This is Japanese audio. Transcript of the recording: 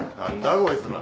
こいつら。